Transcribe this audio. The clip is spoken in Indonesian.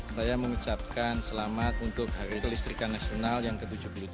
saya mengucapkan selamat untuk hari kelistrikan nasional yang ke tujuh puluh tiga